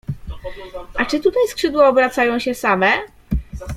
— A czy tutaj skrzydła obracają się same?